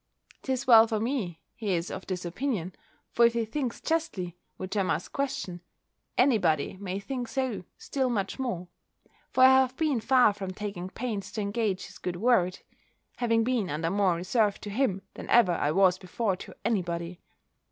'Tis well for me, he is of this opinion: for if he thinks justly, which I must question, any body may think so still much more; for I have been far from taking pains to engage his good word, having been under more reserve to him, than ever I was before to any body.